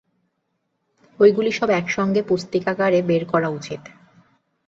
ঐগুলি সব একসঙ্গে পুস্তিকাকারে বের করা উচিত।